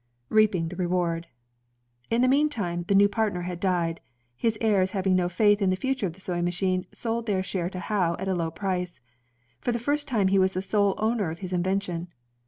Reaping the Reward In the meantime, the new partner had died. His heirs having no faith in the future of the sewing machine, sold their share to Howe at a low price. For the first time he was the sole owner of his invention.